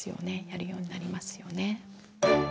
やるようになりますよね。